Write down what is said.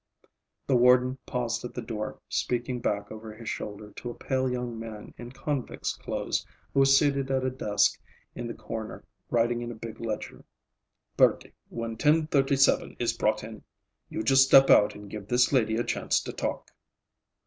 The warden paused at the door, speaking back over his shoulder to a pale young man in convicts' clothes who was seated at a desk in the corner, writing in a big ledger. "Bertie, when 1037 is brought in, you just step out and give this lady a chance to talk."